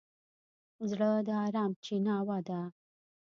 زړه د ارام چیناوه ده.